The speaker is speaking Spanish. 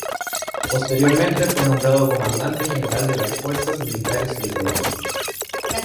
Posteriormente fue nombrado Comandante General de las Fuerzas Militares de Colombia.